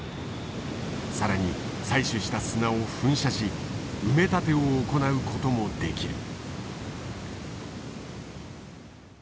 更に採取した砂を噴射し埋め立てを行うこともできる。